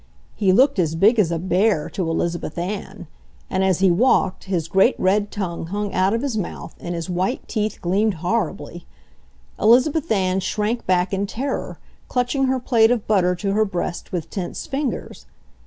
He looked as big as a bear to Elizabeth Ann; and as he walked his great red tongue hung out of his mouth and his white teeth gleamed horribly. Elizabeth Ann shrank back in terror, clutching her plate of butter to her breast with tense fingers.